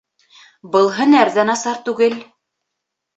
Был һөнәр ҙә насар түгел.